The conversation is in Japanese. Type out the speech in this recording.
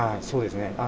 そうですね。